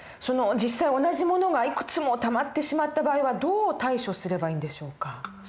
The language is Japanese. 実際同じ物がいくつもたまってしまった場合はどう対処すればいいんでしょうか？